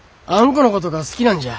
このことが好きなんじゃ。